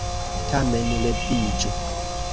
Tamen leviĝu!